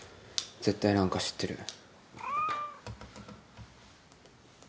絶対何か知ってる。